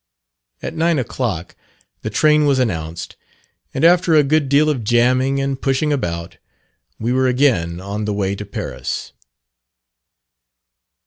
At nine o'clock the train was announced, and after a good deal of jamming and pushing about, we were again on the way to Paris.